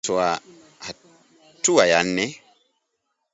Hatua ya nne